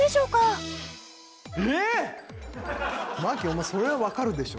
マキお前それは分かるでしょ。